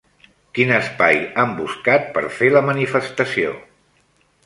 Quin espai han buscat per fer la manifestació?